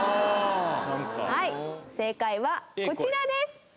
正解はこちらです！